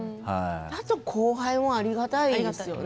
後輩もありがたいですよね。